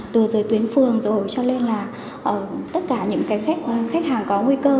từ dưới tuyến phương rồi cho nên là tất cả những khách hàng có nguy cơ